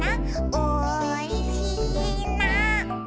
「おいしいな」